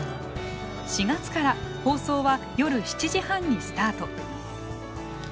４月から放送は夜７時半にスタート。